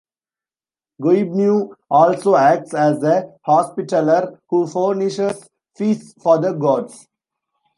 Goibniu also acts as a hospitaller who furnishes feasts for the gods.